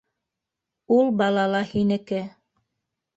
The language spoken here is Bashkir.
Ул бала ла һинеке.